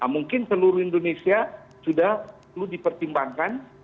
mungkin seluruh indonesia sudah perlu dipertimbangkan